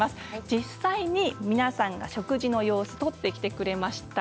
実際に皆さんが食事の様子撮ってきてくれました。